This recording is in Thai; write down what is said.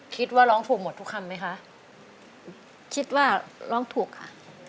คิดว่าร้องถูกหมดทุกคำไหมคะคิดว่าร้องถูกค่ะ